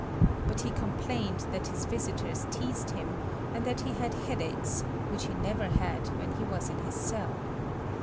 But he complained that his visitors teased him, and that he had headaches, which he never had when he was in his cell.